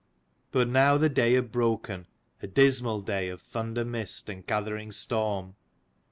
But now the day had broken, a dismal day of thunder mist and gathering storm.